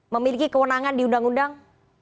memiliki kewenangan di undang undang